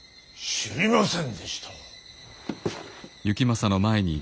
知りませんでした。